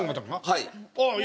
はい。